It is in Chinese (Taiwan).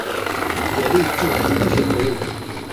國立自然科學博物館